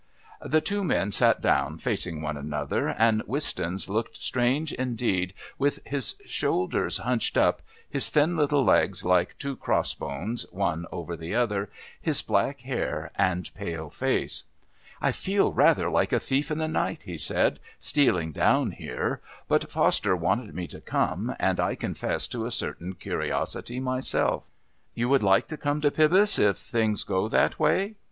The two men sat down facing one another, and Wistons looked strange indeed with his shoulders hunched up, his thin little legs like two cross bones, one over the other, his black hair and pale face. "I feel rather like a thief in the night," he said, "stealing down here. But Foster wanted me to come, and I confess to a certain curiosity myself." "You would like to come to Pybus if things go that way?"